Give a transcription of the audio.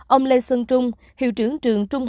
ông lê xuân trung hiệu trưởng trường trung học